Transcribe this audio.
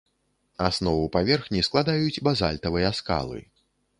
Аснову паверхні складаюць базальтавыя скалы.